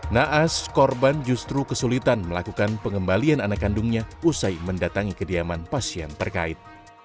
naas korban justru kesulitan melakukan pengembalian anak kandungnya usai mendatangi kediaman pasien terkait